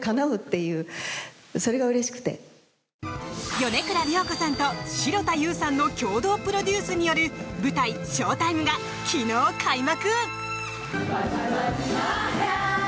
米倉涼子さんと城田優さんの共同プロデュースによる舞台「ＳＨＯＷＴＩＭＥ」が昨日開幕。